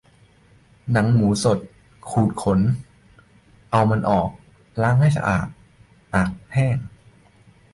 หนังหมูสด ขูดขน เอามันออก ล้างให้สะอาด ตากแห้ง